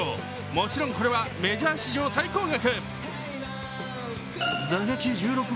もちろんこれはメジャー史上最高額。